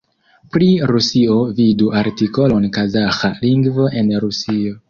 Pri Rusio vidu artikolon Kazaĥa lingvo en Rusio.